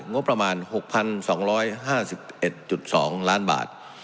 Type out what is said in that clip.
งบประมาณ๖๒๕๑๒ล้านบาท